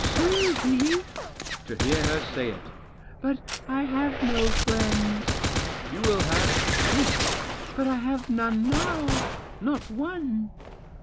"Susie?" To hear her say it 1 "But I have no friends." "You will have ; heaps." " But I have none now. Not one."